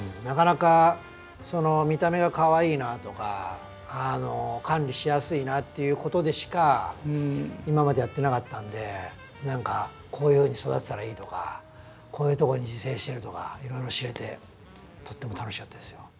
なかなかその見た目がかわいいなとか管理しやすいなっていうことでしか今までやってなかったんで何かこういうふうに育てたらいいとかこういうとこに自生してるとかいろいろ知れてとっても楽しかったですよ。